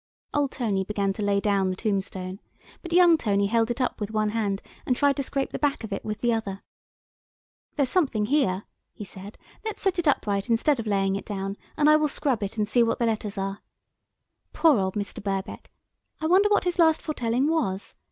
Old Tony began to lay down the tombstone, but young Tony held it up with one hand and tried to scrape the back of it with the other. "There's something here," he said, "let's set it upright instead of laying it down, and I will scrub it and see what the letters are. Poor old Mr. Birkbeck, I wonder what his last foretelling was.